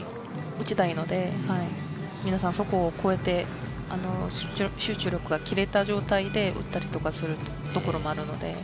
集中力があるうちに撃ちたいので、皆さんそこを超えて集中力が切れた状態で撃ったりするところもあるので。